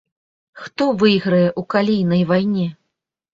Хто выйграе ў калійнай вайне?